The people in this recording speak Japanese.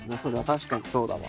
確かにそうだわ。